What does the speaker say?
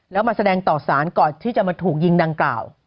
แล้วมาแสดงต่อสารก่อนที่จะมาถูกยิงดังกล่าว